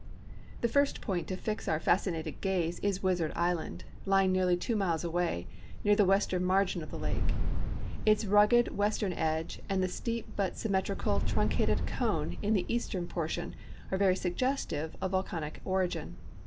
The first point to fix our fascinated gaze is ^^'izard island, lying nearly two miles awa}', near the western margin of the lake. Its rugged western edge and the steej) but symmetrical truncated cone in the eastern portion are very suggestive of volcanic origin.